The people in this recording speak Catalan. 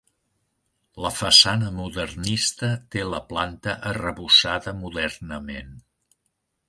La façana modernista té la planta arrebossada modernament.